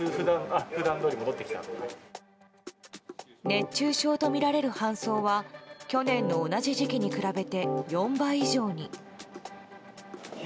熱中症とみられる搬送は去年の同じ時期に比べて４倍以上に。